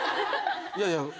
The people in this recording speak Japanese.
いやいや。